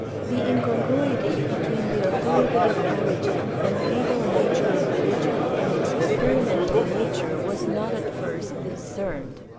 The incongruity between the authoritative origin and legal nature of religion and its experimental nature was not at first discerned.